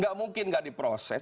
tidak mungkin tidak diproses